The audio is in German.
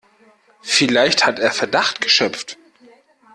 Vielleicht hat er Verdacht geschöpft.